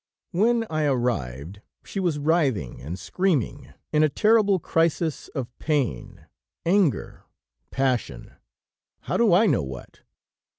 When I arrived she was writhing and screaming, in a terrible crisis of pain, anger, passion, how do I know what?